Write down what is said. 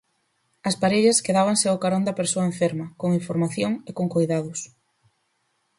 As parellas quedábanse ao carón da persoa enferma, con información e con coidados.